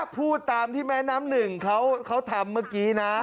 พูดตามที่แม่น้ำหนึ่งเขาทำเมื่อกี้นะ